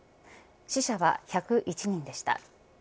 死者は１０１人でした。